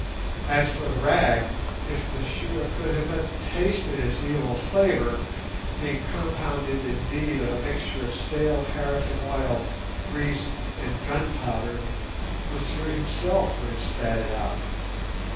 As for the rag, if monsieur could have but tasted its evil flavour, being compounded indeed of a mixture of stale paraffin oil, grease, and gunpowder, monsieur himself would have spat it out.